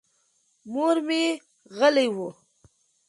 مور مې غلې وه.